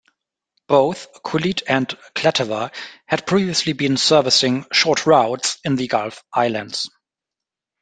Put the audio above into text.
Both "Kulleet" and "Klatawa" had previously been servicing short routes in the Gulf Islands.